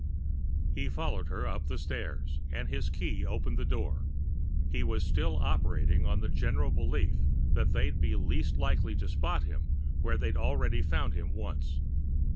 He followed her up the stairs, and his key opened the door. He was still operating on the general belief that they'd be least likely to spot him where they had already found him once.